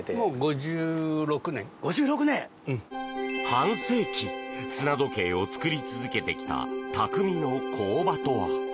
半世紀砂時計を作り続けてきたたくみの工場とは？